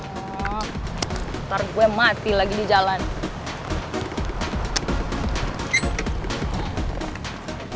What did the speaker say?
ntar gue mati lagi di jalan